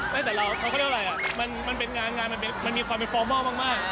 ไม่แต่เราเขาก็ได้ไงมันเป็นงานมันมีความเป็นฟอร์มอลมาก